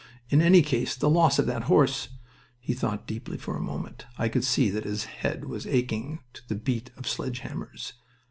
In any case, the loss of that horse " He thought deeply for a moment, and I could see that his head was aching to the beat of sledge hammers.